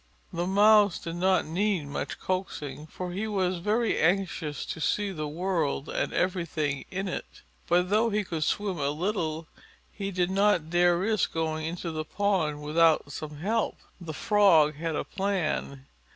The Mouse did not need much coaxing, for he was very anxious to see the world and everything in it. But though he could swim a little, he did not dare risk going into the pond without some help. The Frog had a plan.